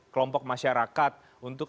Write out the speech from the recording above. kelompok masyarakat untuk